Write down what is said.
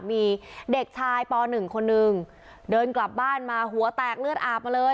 มีเด็กชายป๑คนนึงเดินกลับบ้านมาหัวแตกเลือดอาบมาเลย